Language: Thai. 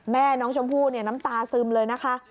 แม่น้องชมพู่เนี่ยน้ำตาซึมเลยนะคะ